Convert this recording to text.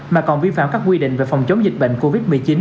mà còn vi phạm các quy định về phòng chống dịch bệnh covid một mươi chín